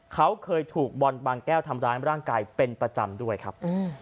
เขาเคยถูกบอลบางแก้วทำร้ายร่างกายเป็นประจำด้วยครับ